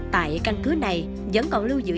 tại căn cứ này vẫn còn lưu giữ